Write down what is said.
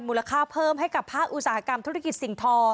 มูลค่าเพิ่มให้กับภาคอุตสาหกรรมธุรกิจสิ่งทอ